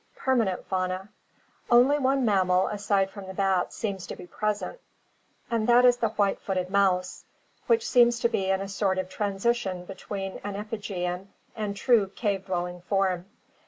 Permanent Fauna. — Only one mammal aside from the bats seems to be present, and that is the white footed mouse (Peromyscus leucopus), which seems to be in a sort of transition between an epigean and true cave dwelling form.